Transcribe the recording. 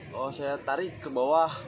saya tarik ke bawah